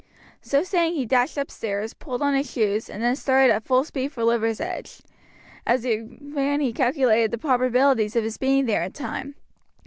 So saying he dashed upstairs, pulled on his shoes, and then started at full speed for Liversedge. As he ran he calculated the probabilities of his being there in time.